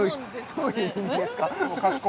どういう意味ですか？